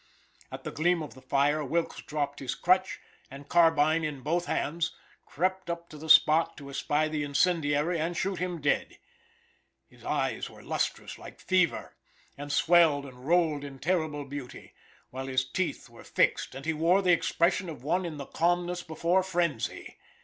At the gleam of the fire Wilkes dropped his crutch, and, carbine in both hands, crept up to the spot to espy the incendiary and shoot him dead. His eyes were lustrous like fever, and swelled and rolled in terrible beauty, while his teeth were fixed, and he wore the expression of one in the calmness before frenzy.